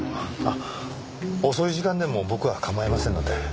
あっ遅い時間でも僕は構いませんので。